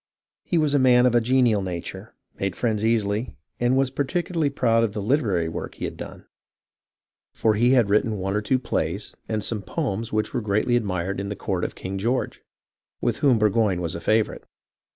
He was a man of a genial nature, made friends easily, and was particularly proud of the literary work he had done, for he had written one or two plays and some poems which were greatly admired in the court of King George, with whom Burgoyne was a favourite.